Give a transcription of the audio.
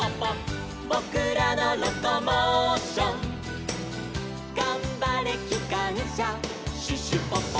「ぼくらのロコモーション」「がんばれきかんしゃシュシュポポ」